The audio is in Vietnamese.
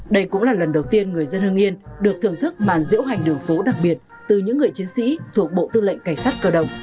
đây cũng là lần đầu tiên người dân hương yên được thưởng thức màn diễu hành đường phố đặc biệt từ những người chiến sĩ thuộc bộ tư lệnh cảnh sát cơ động